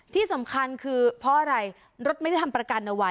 ที่สำคัญคือเพราะอะไรรถไม่ได้ทำประกันเอาไว้